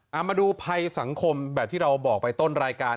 เอามาดูภัยสังคมแบบที่เราบอกไปต้นรายการ